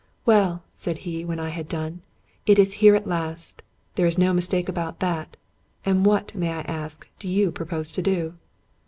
" Well," said he, when I had done, " it is here at last ; there is no mistake about that. And what, may I ask, do you propose to do